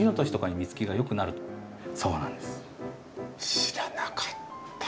知らなかった。